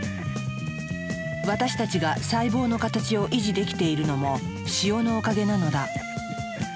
私たちが細胞の形を維持できているのも塩のおかげなのだ。